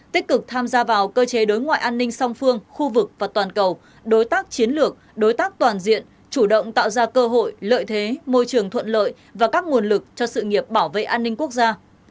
tích cực tham gia vào cơ chế đối ngoại an ninh song phương khu vực và toàn cầu đối tác chiến lược đối tác toàn diện chủ động tạo ra cơ hội lợi thế môi trường thuận lợi và các nguồn lực cho sự nghiệp bảo vệ an ninh quốc gia